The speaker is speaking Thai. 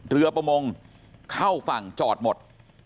เรือประมงเข้าฝั่งจอดหมด